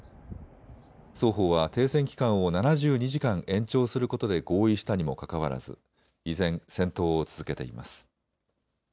双方は停戦期間を７２時間延長することで合意したにもかかわらず依然、戦闘を続けています。